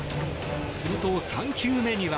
すると、３球目には。